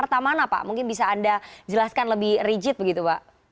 peta mana pak mungkin bisa anda jelaskan lebih rigid begitu pak